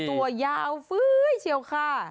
โอ้ตัวยาวฟึ้ยเฉียวค่ะ